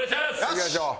いきましょう。